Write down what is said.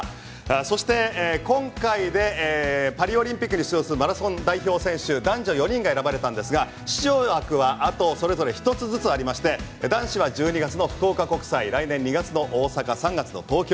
そして今回、パリオリンピックに出場するマラソン代表選手男女４人が選ばれたんですが出場枠はあとそれぞれ一つずつありまして男子は１２月の福岡国際来年２月の大阪３月の東京。